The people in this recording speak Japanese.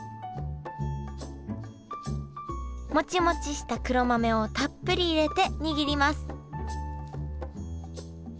モチモチした黒豆をたっぷり入れて握ります